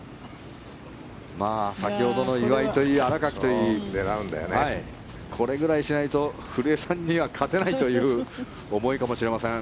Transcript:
先ほどの岩井といい新垣といいこれくらいしないと古江さんには勝てないという思いかもしれません。